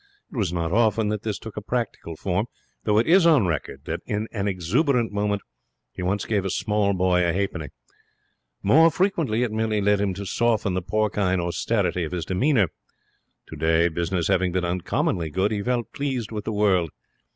It was not often that this took a practical form, though it is on record that in an exuberant moment he once gave a small boy a halfpenny. More frequently it merely led him to soften the porcine austerity of his demeanour. Today, business having been uncommonly good, he felt pleased with the world.